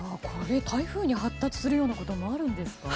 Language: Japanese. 台風に発達するようなこともあるんですか？